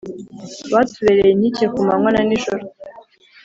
Batubereye inkike ku manywa na nijoro